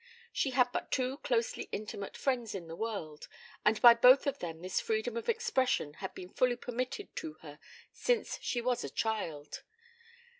She had but two closely intimate friends in the world, and by both of them this freedom of expression had been fully permitted to her since she was a child.